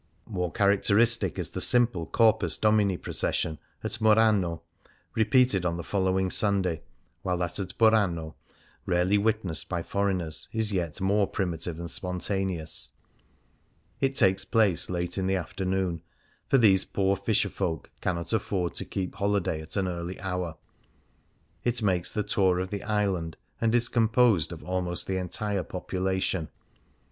More characteristic is the simple Corpus Domini procession at Murano, repeated on the following Sunday ; while that at Burano, rarely witnessed by foreigners, is yet more primitive and spontaneous. It takes place late in the afternoon, for these poor fisherfolk cannot afford to keep holiday at an early hour ; it makes the tour of the island, and it is composed of almost the entire population.